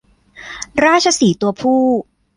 ราชสีห์ตัวผู้